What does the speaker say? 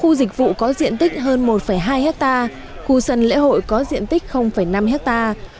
khu dịch vụ có diện tích hơn một hai hectare khu sân lễ hội có diện tích năm hectare